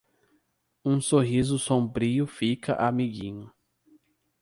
Um sorriso sombrio fica amiguinho.